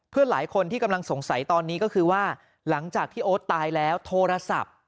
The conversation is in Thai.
หลายคนที่กำลังสงสัยตอนนี้ก็คือว่าหลังจากที่โอ๊ตตายแล้วโทรศัพท์